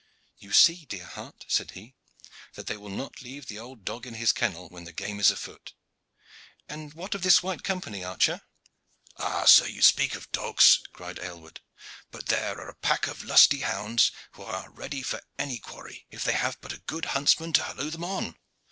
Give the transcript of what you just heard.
"You see, dear heart," said he, "that they will not leave the old dog in his kennel when the game is afoot. And what of this White Company, archer?" "Ah, sir, you speak of dogs," cried Aylward; "but there are a pack of lusty hounds who are ready for any quarry, if they have but a good huntsman to halloo them on.